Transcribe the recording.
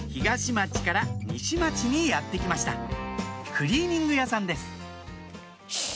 クリーニング屋さんですシシ。